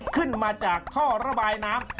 ขึ้นมาจากท่อระบายน้ำ